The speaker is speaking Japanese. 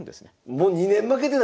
もう２年負けてないんすか⁉